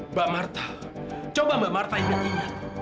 mbak marta coba mbak marta ingat ingat